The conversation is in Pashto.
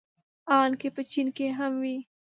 ان که په چين کې هم وي.